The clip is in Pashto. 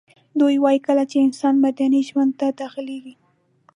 دوی وايي کله چي انسان مدني ژوند ته داخليږي